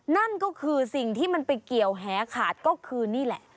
นั่นก็คือสิ่งที่มันไปเกี่ยวแหขาดก็คือนี่แหละ